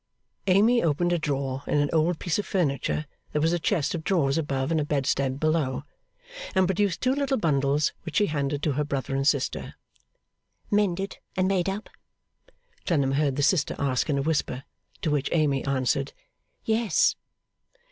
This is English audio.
Amy opened a drawer in an old piece of furniture that was a chest of drawers above and a bedstead below, and produced two little bundles, which she handed to her brother and sister. 'Mended and made up?' Clennam heard the sister ask in a whisper. To which Amy answered 'Yes.